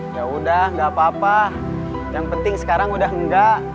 yaudah nggak apa apa yang penting sekarang udah enggak